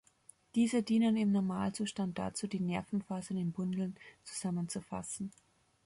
Diese dienen im Normalzustand dazu, die Nervenfasern in Bündeln zusammenzufassen.